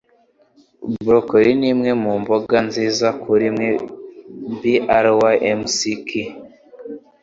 Broccoli ni imwe mu mboga nziza kuri wewe. (brymck)